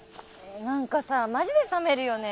何かさマジでさめるよね。